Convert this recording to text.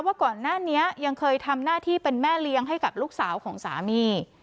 ว่าก่อนหน้านี้ยังเคยทำหน้าที่เป็นแม่เลี้ยงให้กับลูกสาวของสามี